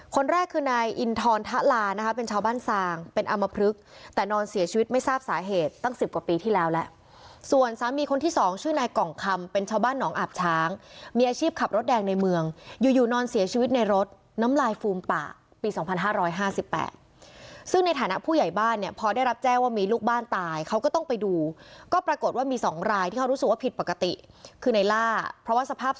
คนแรกคือนายอินทรทะลานะคะเป็นชาวบ้านซางเป็นอำมพลึกแต่นอนเสียชีวิตไม่ทราบสาเหตุตั้งสิบกว่าปีที่แล้วแหละส่วนสามีคนที่สองชื่อนายกล่องคำเป็นชาวบ้านหนองอาบช้างมีอาชีพขับรถแดงในเมืองอยู่อยู่นอนเสียชีวิตในรถน้ำลายฟูมป่าปีสองพันห้าร้อยห้าสิบแปดซึ่งในฐานะผู้ใหญ่บ้านเนี่ยพอได